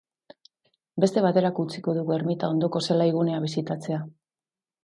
Beste baterako utziko dugu ermita ondoko zelaigunea bisitatzea.